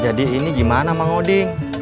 jadi ini gimana mang odin